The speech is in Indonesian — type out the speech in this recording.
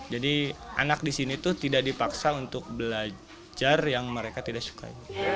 jadi anak di sini tuh tidak dipaksa untuk belajar yang mereka tidak suka